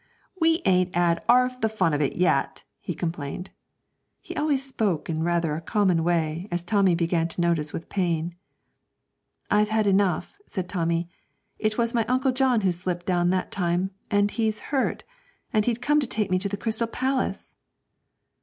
'We ain't 'ad 'arf the fun out of it yet!' he complained (he always spoke in rather a common way, as Tommy began to notice with pain). 'I've had enough,' said Tommy. 'It was my Uncle John who slipped down that time, and he's hurt, and he'd come to take me to the Crystal Palace!'